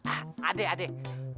ah adek adek